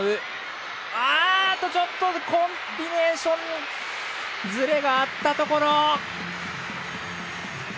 あっとちょっとコンビネーションズレがあったところ。